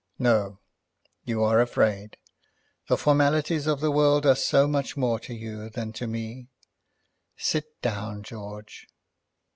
"No; you are afraid. The formalities of the world are so much more to you than to me! Sit down, George.